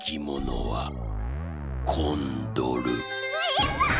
やった！